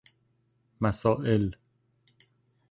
مسائل